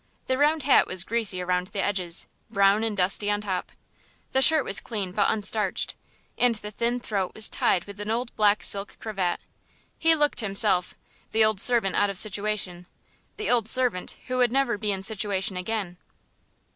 The round hat was greasy round the edges, brown and dusty on top. The shirt was clean but unstarched, and the thin throat was tied with an old black silk cravat. He looked himself, the old servant out of situation the old servant who would never be in situation again.